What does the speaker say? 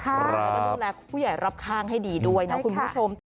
แล้วก็ดูแลผู้ใหญ่รอบข้างให้ดีด้วยนะคุณผู้ชม